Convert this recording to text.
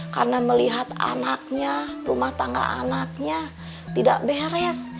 karena melihat anaknya rumah tangga anaknya tidak beres